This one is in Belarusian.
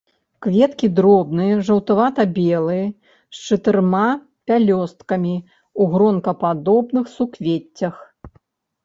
Кветкі дробныя, жаўтавата-белыя, з чатырма пялёсткамі, у гронкападобных суквеццях.